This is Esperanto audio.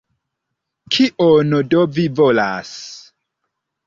Kion do vi volas?